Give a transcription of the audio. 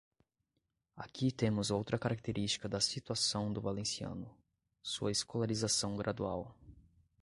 Aqui temos outra característica da situação do valenciano: sua escolarização gradual.